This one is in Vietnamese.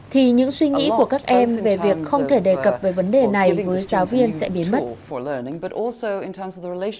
thì những suy nghĩ của các em về việc không thể đề cập về vấn đề này với giáo viên sẽ biến mất